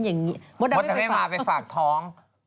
หมดนั้นไม่มาไปฝากท้อง